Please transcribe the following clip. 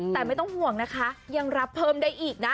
แต่ไม่ต้องห่วงนะคะยังรับเพิ่มได้อีกนะ